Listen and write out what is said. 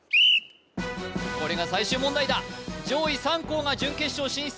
これが最終問題だ上位３校が準決勝進出